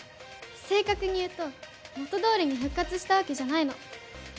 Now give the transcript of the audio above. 正確に言うと元どおりに復活したわけじゃないの。